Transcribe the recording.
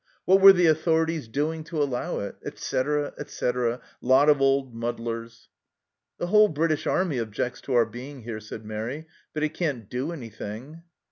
What were the authorities doing to allow it ? Etc., etc., lot of old muddlers. " The whole British Army objects to our being here," said Mairi ;" but it can't do anything."